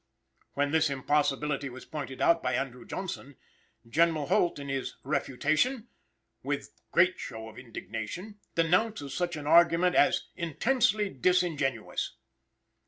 When this impossibility was pointed out by Andrew Johnson, General Holt, in his "refutation," with great show of indignation, denounces such an argument as "intensely disingenuous."